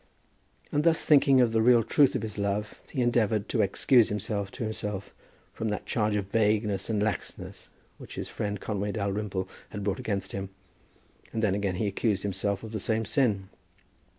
And thus thinking of the real truth of his love, he endeavoured to excuse himself to himself from that charge of vagueness and laxness which his friend Conway Dalrymple had brought against him. And then again he accused himself of the same sin.